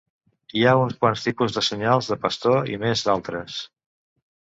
Hi ha uns quants tipus de senyals de pastor i més d'altres.